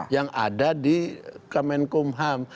yang ada di kemenkumham